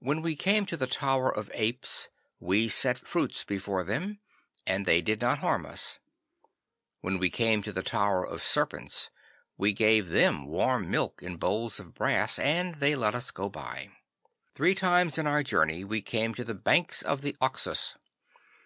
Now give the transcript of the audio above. When we came to the Tower of Apes we set fruits before them, and they did not harm us. When we came to the Tower of Serpents we gave them warm milk in howls of brass, and they let us go by. Three times in our journey we came to the banks of the Oxus.